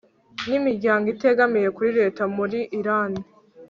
nimiryango itegamiye kuri Leta muri Irani